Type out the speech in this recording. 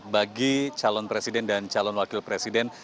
bagi calon presiden dan calon wakil presiden